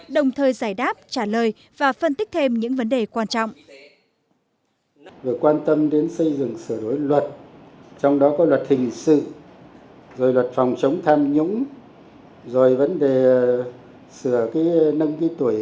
đồng thời giải đáp trả lời và phân tích thêm những vấn đề quan trọng